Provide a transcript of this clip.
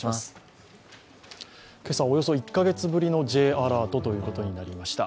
今朝、およそ１カ月ぶりのＪアラートということになりました